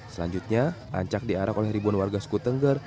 selanjutnya ancak diarak oleh ribuan warga suku tengger